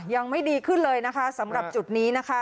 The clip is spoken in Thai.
ยังไม่ดีขึ้นเลยสำหรับจุดนี้